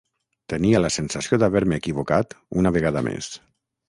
Tenia la sensació d'haver-me equivocat una vegada més.